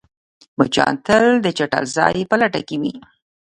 مچان تل د چټل ځای په لټه کې وي